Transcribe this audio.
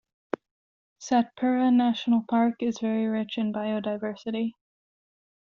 Satpura National Park is very rich in biodiversity.